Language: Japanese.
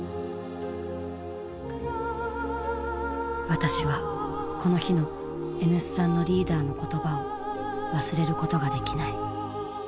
私はこの日のＮ産のリーダーの言葉を忘れることができない。